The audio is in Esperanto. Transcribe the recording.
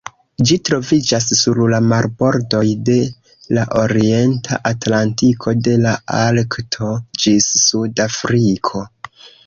Ĝi troviĝas sur la marbordoj de la Orienta Atlantiko, de la Arkto ĝis Sud-Afriko.